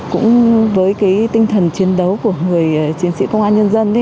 cũng với tinh thần chiến đấu của người chiến sĩ công an nhân dân